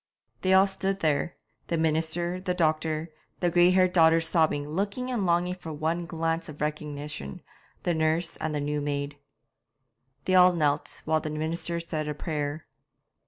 They all stood there the minister, the doctor, the grey haired daughters sobbing, looking and longing for one glance of recognition, the nurse, and the new maid. They all knelt, while the minister said a prayer.